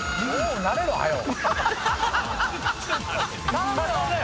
頼むよ！